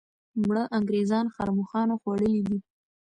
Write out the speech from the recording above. مړه انګریزان ښرموښانو خوړلي دي.